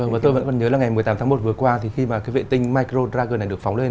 và tôi vẫn còn nhớ là ngày một mươi tám tháng một vừa qua thì khi mà cái vệ tinh micro dragon này được phóng lên